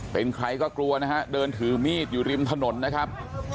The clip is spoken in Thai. เป็นใครก็กลัวนะฮะเดินถือมีดอยู่ริมถนนนะครับ